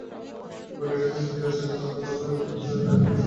বলিয়া গেছেন ফিরিয়া আসিতে তাঁহার চার-পাঁচ দিন দেরি হইতে পারে।